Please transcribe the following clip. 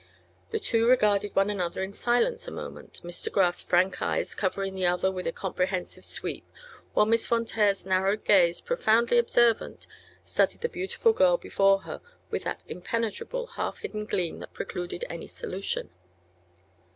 The two regarded one another in silence a moment, Miss De Graf's frank eyes covering the other with a comprehensive sweep while Miss Von Taer's narrowed gaze, profoundly observant, studied the beautiful girl before her with that impenetrable, half hidden gleam that precluded any solution.